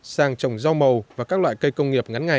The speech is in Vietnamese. sang trồng rau màu và các loại cây công nghiệp ngắn ngày